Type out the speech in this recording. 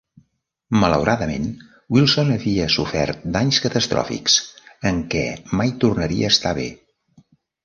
Malauradament, Wilson havia sofert danys catastròfics en què mai tornaria a estar bé.